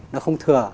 nó không thừa